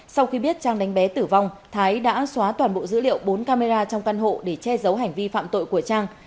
sau khi biết trang đánh bé tử vong thái đã xóa toàn bộ dữ liệu bốn camera trong căn hộ để che giấu hành vi phạm tội của trang